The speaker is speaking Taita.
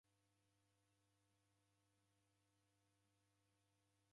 Uo mwai ni mfu wa ani?